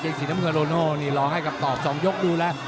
สีน้ำเงินโรโน่นี่ลองให้กับตอบ๒ยกดูแล้ว